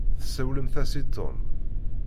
Tsawlemt-as i Tom.